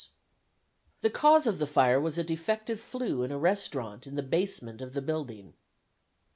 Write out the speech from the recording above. The cause of the fire was a defective flue in a restaurant in the basement of the building.